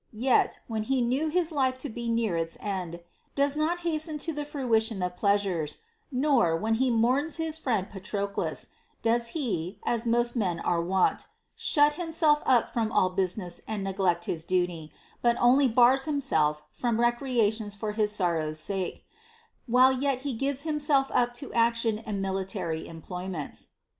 — yet, when he knew his life to be near its end, does not hasten to the fruition of pleasures, nor, when he mourns for his friend Patroclus, does he (as most men are wont) shut himself up from all business and neglect his duty, but only bars him self from recreations for his sorrow's sake, while yet he gives himself up to action and military employments.